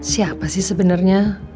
siapa sih sebenernya